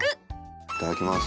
いただきます。